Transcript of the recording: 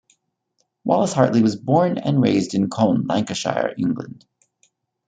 Wallace Hartley was born and raised in Colne, Lancashire, England.